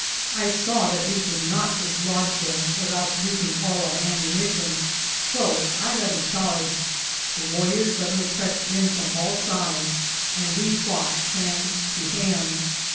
I saw that we could not dislodge them without using all our ammuni tion, so I led a charge. The warriors sud denly pressed in from all sides and we fought hand to hand.